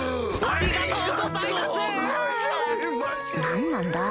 何なんだ？